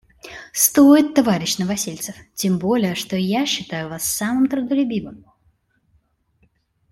Стоит, товарищ Новосельцев, тем более, что я считаю Вас самым трудолюбивым.